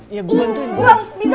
iya gua bantuin